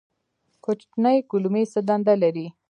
کوچنۍ کولمې څه دنده لري؟